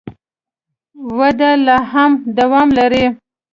وده لا هم دوام لري.